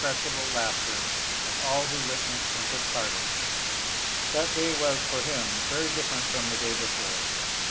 ille laughter of all who witn< and took part in it. That day was for him very different from tin day IK We.